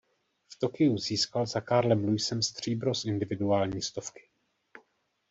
V Tokiu získal za Carlem Lewisem stříbro z individuální stovky.